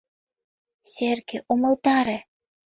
Серге, умылтаре.